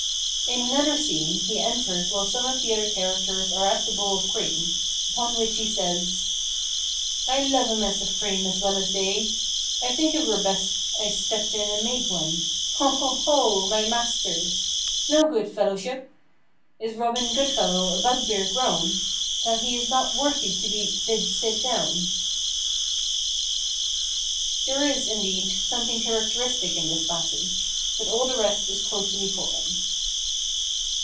In another scene he enters while some of the other characters are at a bowl of cream, upon which he says— "I love a mess of cream as well as they; I think it were best I stept in and made one: Ho, ho, ho! my masters! No good fellowship! Is Robin Goodfellow a bugbear grown That he is not worthy to be bid sit down?" There is, indeed, something characteristic in this passage, but all the rest is totally foreign.